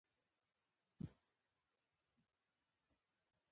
داسي پرېکړه ځکه وسوه چي چاته د چنګېز قبر معلوم نه شي